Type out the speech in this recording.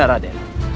dan juga dengan